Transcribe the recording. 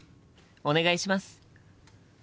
お願いします！